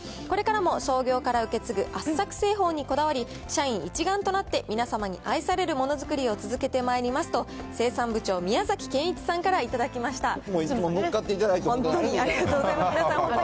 これからも創業から受け継ぐ圧搾製法にこだわり、社員一丸となって皆様に愛されるものづくりを続けてまいりますと、生産部長、宮崎健一さんから頂きました。